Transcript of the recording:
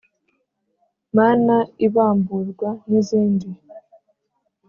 mana ibamburwa n’izindi